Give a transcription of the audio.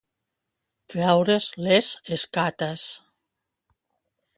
Treure's les escates.